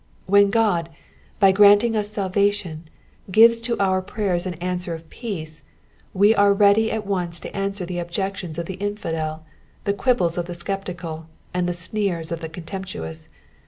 When God, by granting us s^vation, gives to our prayers an answA of peace, we are ready at once to answer the objec tions of the infidel, the quibbles of the sceptical, and the sneers of the con temptuous.